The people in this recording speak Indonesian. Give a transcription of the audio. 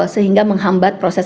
sehingga menghambat proses